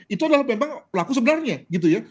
itu adalah memang pelaku sebenarnya gitu ya